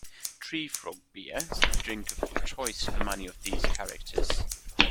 "Tree Frog Beer" is the drink of choice for many of these characters.